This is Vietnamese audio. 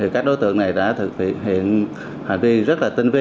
các đối tượng này đã thực hiện hành vi rất là tinh vi